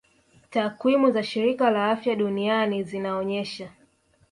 Takwimu za shirika la afya duniani zinaonyesha